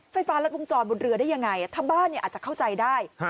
ไฟฟ้ารัดวงจรบนเรือได้ยังไงถ้าบ้านอาจจะเข้าใจได้